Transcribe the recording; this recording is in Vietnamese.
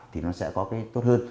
thì nó sẽ có cái tốt hơn